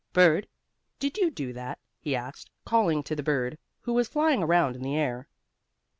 "Bird, did you do that?" he asked, calling to the bird, who was flying around in the air.